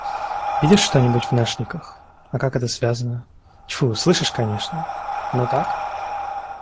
«Видишь что-нибудь в нашниках?» — «А как это связано?» — «Тьфу, слышишь конечно. Ну так?»